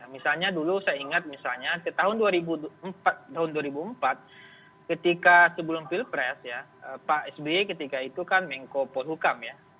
misalnya dulu saya ingat misalnya tahun dua ribu empat ketika sebelum pilpres ya pak sby ketika itu kan mengko polhukam ya